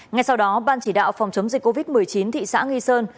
ngay sau đó ban chỉ đạo phòng chống dịch covid một mươi chín thị xã nghi sơn